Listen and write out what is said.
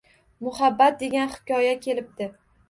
Muhabbat degan hikoya kelibdi